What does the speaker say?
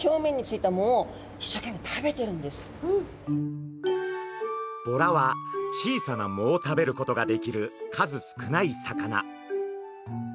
実はこのボラは小さな藻を食べることができる数少ない魚。